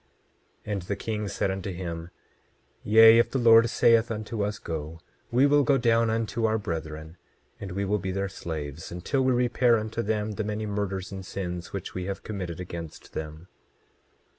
27:8 And the king said unto him: Yea, if the Lord saith unto us go, we will go down unto our brethren, and we will be their slaves until we repair unto them the many murders and sins which we have committed against them.